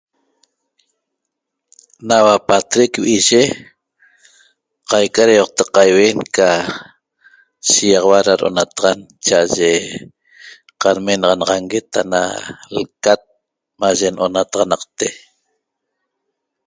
Naua pa'atrec vi'iye qaica ca ra ioqta qaiuen ca shigaxaua ra ro'onataxan cha'aye qanmenaxananguet ana lcat maye no'onanataxanaqte